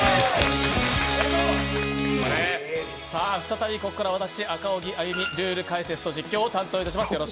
再び私、赤荻歩、ルール解説と実況を担当いたします。